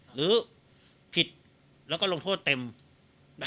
หรือผิดแล้วก็ลงโทษเต็ม